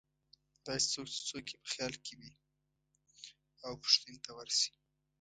داسې څوک چې څوک یې په خیال کې وې او پوښتنې ته ورشي.